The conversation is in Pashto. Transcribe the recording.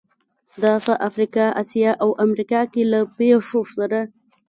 دا په افریقا، اسیا او امریکا کې له پېښو سره وو.